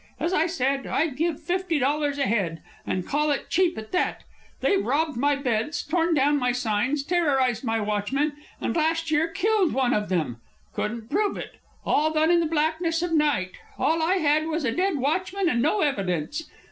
As I said, I'll give fifty dollars a head, and call it cheap at that. They've robbed my beds, torn down my signs, terrorized my watchmen, and last year killed one of them. Couldn't prove it. All done in the blackness of night. All I had was a dead watchman and no evidence.